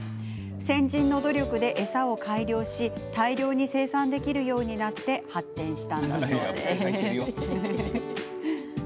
先人の努力で餌を改良し大量に生産できるようになって発展したんだそうです。